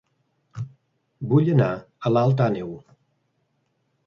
Vull anar a Alt Àneu